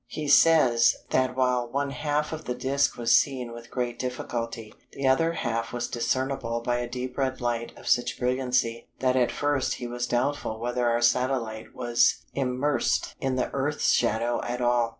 He says, that while one half of the disc was seen with great difficulty the other half was discernible by a deep red light of such brilliancy that at first he was doubtful whether our satellite was immersed in the Earth's shadow at all.